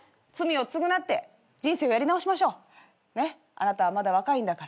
あなたはまだ若いんだから。